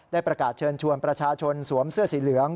ประกาศเชิญชวนประชาชนสวมเสื้อสีเหลือง